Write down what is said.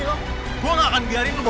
dan jangan gak ngumur di lagi